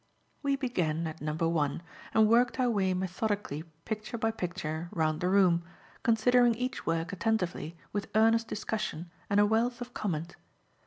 We began at number one and worked our way methodically picture by picture, round the room, considering each work attentively with earnest discussion and a wealth of comment.